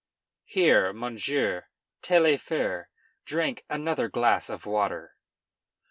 Here Monsieur Taillefer drank another glass of water.